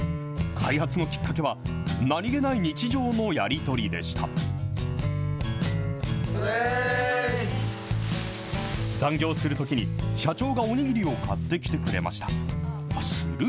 開発のきっかけは、何気ない日常のやり取りでした。残業するときに、社長がお握りを買ってきてくれました。